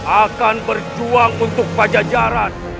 akan berjuang untuk pajajaran